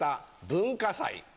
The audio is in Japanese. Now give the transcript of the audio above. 文化祭！